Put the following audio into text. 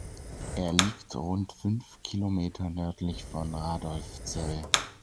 Er liegt rund fünf Kilometer nördlich von Radolfzell.